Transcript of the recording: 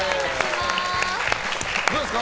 どうですか？